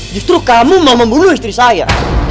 justru kamu mau membunuh istri saya